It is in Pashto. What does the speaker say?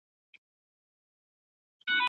انټرنیټ د علمي تبادلې پروسه پیاوړې کوي.